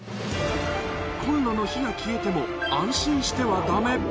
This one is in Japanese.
コンロの火が消えても、安心してはだめ。